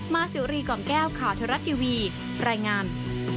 สิวรีกล่อมแก้วข่าวเทวรัฐทีวีรายงาน